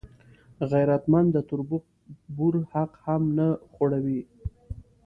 غیرتمند د تربور حق هم نه خوړوي